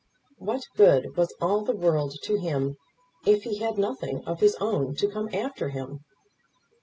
What good was all the world to him if he had nothing of his own to come after him?